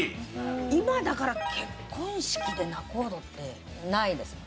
今だから結婚式で仲人ってないですもんね。